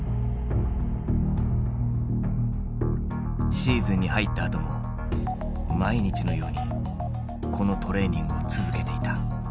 シーズンに入ったあとも毎日のようにこのトレーニングを続けていた。